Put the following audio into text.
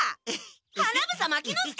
花房牧之介！